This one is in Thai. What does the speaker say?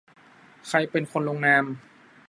ใครเป็นคนลงนาม